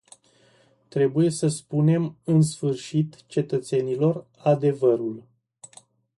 Trebuie să spunem în sfârșit cetățenilor adevărul.